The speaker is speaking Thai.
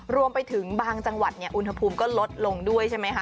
รวมไปถึงบางจังหวัดอุณหภูมิก็ลดลงด้วยใช่ไหมคะ